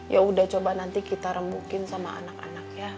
ya udah coba nanti kita rembukin sama anak anak ya